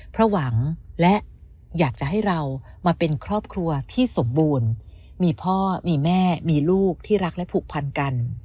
เพราะหวังและอยากจะให้เรามาเป็นครอบครัวที่สมบูรณ์มีพ่อมีแม่มีลูกที่รักและผูกพันกัน